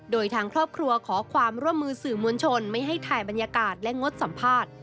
โดยทางครอบครัวขอความร่วมมือสื่อมวลชนไม่ให้ถ่ายบรรยากาศและงดสัมภาษณ์